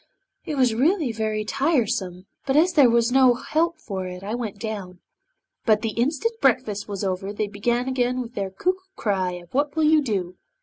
'It was really very tiresome, but as there was no help for it I went down! 'But the instant breakfast was over they began again their cuckoo cry of "What will you do?"